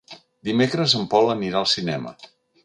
Dimecres en Pol anirà al cinema.